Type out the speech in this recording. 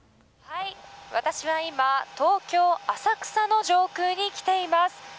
私は今、東京・浅草の上空に来ています。